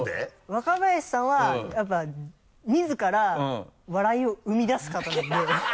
若林さんはやっぱ自ら笑いを生み出す方なんで。